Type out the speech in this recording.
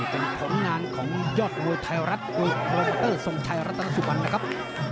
โปรแพตเตอร์ทรงชัยรัตนสุบันนะครับ